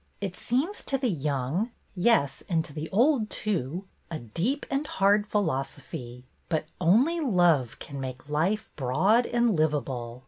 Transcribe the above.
It seems to the young — yes, and to the old, too — a deep and hard philosophy, but only love can make life broad and livable.